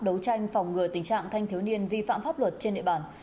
đấu tranh phòng ngừa tình trạng thanh thiếu niên vi phạm pháp luật trên địa bàn